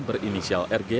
berinisial rg tersebut